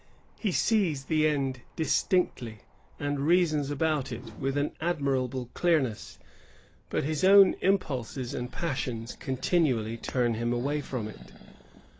He sees the end dis tinctly, and reasons about it with an admirable clear ness ; but his own impulses and passions continually turn him away from it.